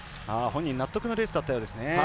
本人は納得のレースだったようですね。